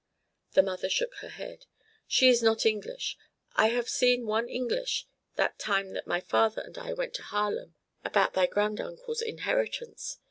The mother shook her head: "She is not English. I have seen one English that time that thy father and I went to Haarlem about thy grand uncle's inheritance.